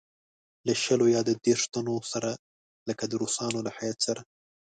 له شلو یا دېرشوتنو سره لکه د روسانو له هیات سره.